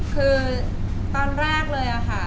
คือตอนแรกเลยค่ะ